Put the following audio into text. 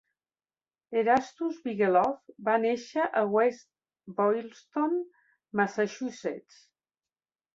Erastus Bigelow va néixer a West Boylston, Massachusetts.